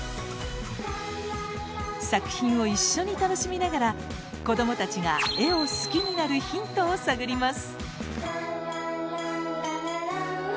作品を一緒に楽しみながら子どもたちが絵を好きになるヒントを探ります！